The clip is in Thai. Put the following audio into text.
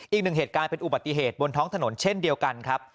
อีกหนึ่งเหตุการณ์เป็นอุบัติเหตุบนท้องถนนเช่นเดียวกันครับ